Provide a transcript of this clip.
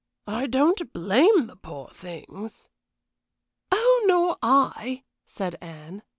I don't blame the poor things." "Oh, nor I!" said Anne.